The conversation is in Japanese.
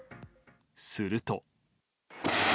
すると。